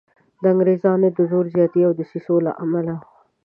د انګریزانو د زور زیاتي او دسیسو له امله.